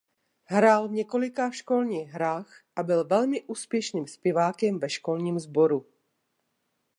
Hrál v několika školních hrách a byl velmi úspěšným zpěvákem ve školním sboru.